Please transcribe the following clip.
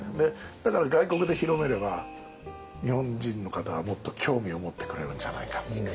だから外国で広めれば日本人の方はもっと興味を持ってくれるんじゃないか。